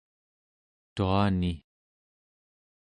tuani